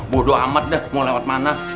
bodoh amat dah mau lewat mana